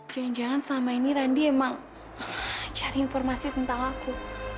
jangan jangan selama ini randi emang cari informasi tentang aku